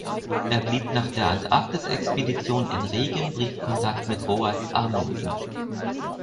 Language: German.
Er blieb nach der Antarktisexpedition in regem Briefkontakt mit Roald Amundsen.